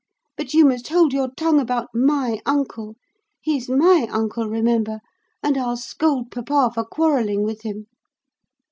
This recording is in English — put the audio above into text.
But you must hold your tongue about my uncle; he's my uncle, remember; and I'll scold papa for quarrelling with him."